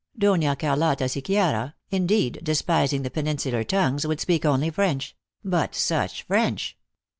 Dona Oarlotta Sequiera, indeed, despising the peninsular tongues, would speak only French but such French